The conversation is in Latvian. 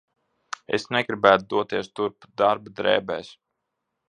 Es negribētu doties turp darba drēbēs.